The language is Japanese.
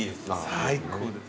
最高です。